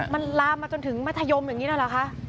มันลามมาจนถึงมัธยมอย่างนี้แล้วเหรอคะ